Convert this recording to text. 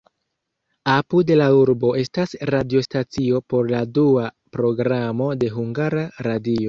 Apud la urbo estas radiostacio por la dua programo de Hungara Radio.